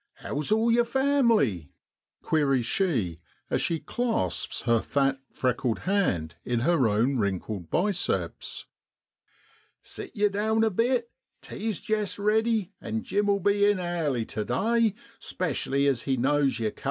how's all yer fam'ly ?' queries she, as she clasps his fat, freckled hand in her own wrinkled biceps. 6 Sit ye down a bit, tea's jest riddy, and Jim '11 be in airly tu day, 'specially as he knows yer cum.